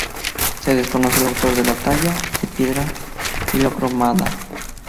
Se desconoce al autor de la talla, de piedra policromada.